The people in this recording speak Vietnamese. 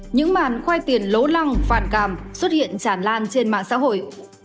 những màn khoai tiền lố lăng phản cảm xuất hiện tràn lan trên mạng xã hội